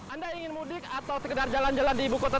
anda ingin mudik atau sekedar jalan jalan di ibu kota